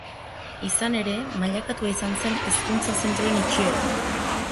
Izan ere, mailakatua izan zen hezkuntza zentroen itxiera.